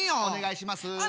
お願いします。